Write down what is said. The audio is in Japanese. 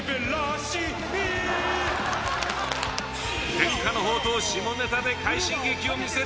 伝家の宝刀下ネタで快進撃を見せる